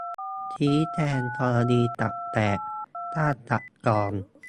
ชี้แจงกรณีตับแตก-ฆ่าตัดตอน